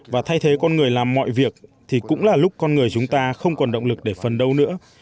và thay thế con người làm mọi việc thì cũng là lúc con người chúng ta không còn động lực để phần đâu nữa